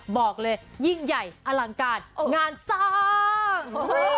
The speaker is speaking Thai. บอกเลยยิ่งใหญ่อลังการงานสร้าง